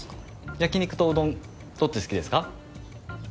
焼き肉とうどんどっち好きですか？